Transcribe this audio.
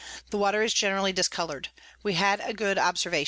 The Water is generally discolour'd. We had a good Observ.